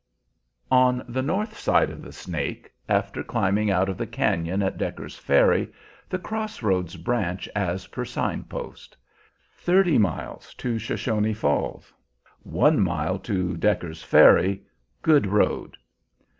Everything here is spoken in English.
On the north side of the Snake, after climbing out of the cañon at Decker's Ferry, the cross roads branch as per sign post: "Thirty miles to Shoshone Falls, one mile to Decker's Ferry. Good road."